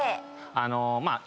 あのまあ